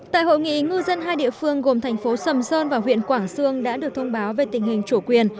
tại hội nghị ngư dân hai địa phương gồm thành phố sầm sơn và huyện quảng sương đã được thông báo về tình hình chủ quyền